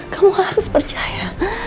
kamu harus percaya